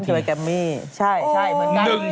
กลับไปกับเมี่ย์ใช่เหมือนกัน